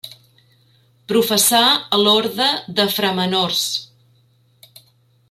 Professà a l’orde de framenors.